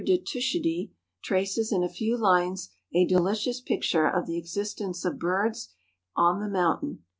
de Tschudi traces in a few lines a delicious picture of the existence of birds on the mountains.